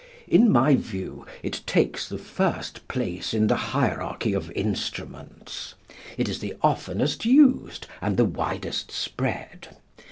In my view, it takes the first place in the hierarchy of instruments. It is the oftenest used and the widest spread.